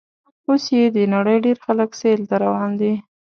اوس یې د نړۍ ډېر خلک سیل ته روان دي.